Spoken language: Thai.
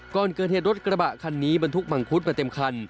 ก่อนเกิดเหตุรถกระบะคันนี้บรรทุกมังคุดมาเต็มคัน